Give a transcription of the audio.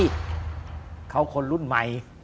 อเจมส์เค้าคนรุ่นใหม่